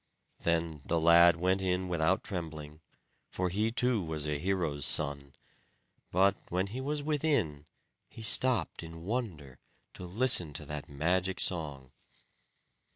'" Then the lad went in without trembling, for he, too, was a hero's son; but when he was within, he stopped in wonder, to listen to that magic song.